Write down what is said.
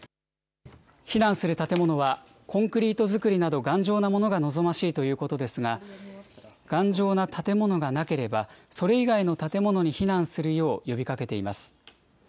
避難する建物は、コンクリート造りなど頑丈なものが望ましいということですが、頑丈な建物がなければ、それ以外の建物に避難するよう呼びかけています。